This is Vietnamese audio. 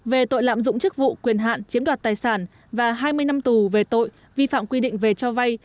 về tội lạm dụng chức vụ quyền hạn chiếm đoạt tài sản và hai mươi năm tù về tội vi phạm quy định về cho vay